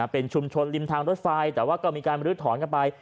เป็นชุมชนริมทางรถไฟแต่ว่าก็มีการบรื้อถอนกันไป